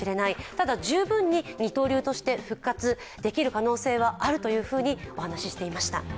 ただ十分に二刀流として復活できる可能性はあるとお話ししていました。